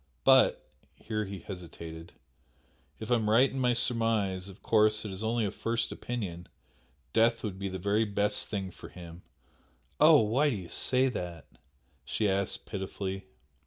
But" here he hesitated "if I am right in my surmise, of course it is only a first opinion death would be the very best thing for him." "Oh, why do you say that?" she asked, pitifully.